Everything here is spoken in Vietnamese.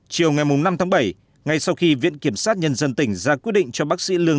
chiều ngày năm tháng bảy ngay sau khi viện kiểm sát nhân dân tỉnh ra quyết định cho bác sĩ lương